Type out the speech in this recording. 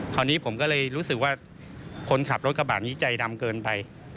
คราวนี้ผมก็เลยรู้สึกว่าคนขับรถกระบะนี้ใจดำเกินไป